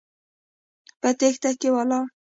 په تېښته کې ولاړ.